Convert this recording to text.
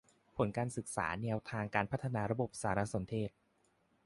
ผลการศึกษาแนวทางการพัฒนาระบบสารสนเทศ